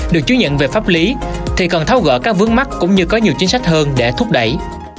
được chứng nhận về pháp lý thì cần tháo gỡ các vướng mắt cũng như có nhiều chính sách hơn để thúc đẩy